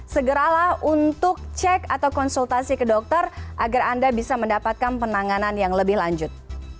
segeralah untuk cek atau konsultasi ke dokter agar anda bisa mendapatkan penanganan yang lebih lanjut